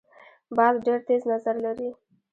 باز ډیر تېز نظر لري